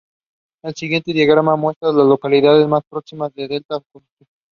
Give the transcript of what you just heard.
Documentary and comedy are her favorite genres.